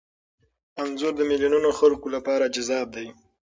انځور د میلیونونو خلکو لپاره جذاب دی.